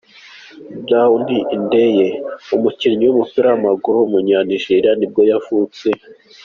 Brown Ideye, umukinnyi w’umupira w’amaguru w’umunyanigeriya nibwo yavutse.